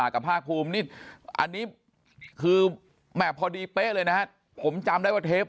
กับภาคภูมินี่อันนี้คือแม่พอดีเป๊ะเลยนะฮะผมจำได้ว่าเทป